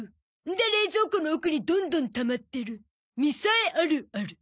で冷蔵庫の奥にどんどんたまってるみさえあるある。